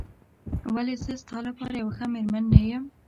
ولې زه ستا لپاره یوه ښه مېرمن نه یم؟